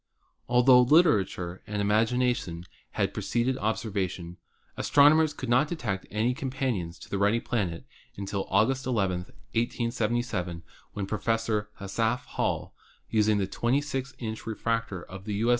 Altho literature and imagination had preceded observation, astronomers could not detect any companions to the ruddy planet until August II, 1877, when Professor Asaph Hall, using the 26 inch refractor of the U. S.